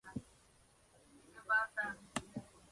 Ese mismo año formó parte del homenaje a Romina Yan, "Vive Ro".